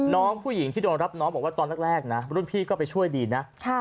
น้องผู้หญิงต้องรับน้องตอนแรกรุ่นพี่ก็ไปช่วยดีนะ